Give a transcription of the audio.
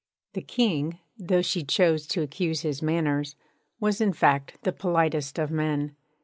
The King, though she chose to accuse his manners, was in fact the politest of men.